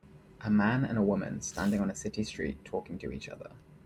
A man and a woman standing on a city street talking to each other.